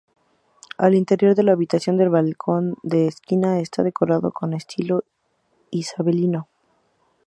El interior de la habitación del balcón de esquina está decorado en estilo isabelino.